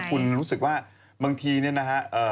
คุณรู้สึกว่าบางทีเนี่ยนะฮะ